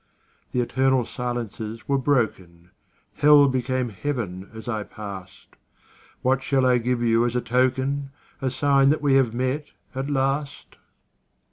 The eternal silences were broken; Hell became Heaven as I passed. What shall I give you as a token, A sign that we have met, at last?